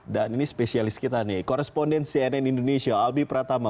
dan ini spesialis kita nih korespondensi cnn indonesia albi pratama